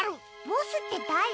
ボスってだれ？